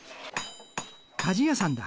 鍛冶屋さんだ。